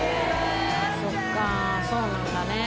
そっかそうなんだね。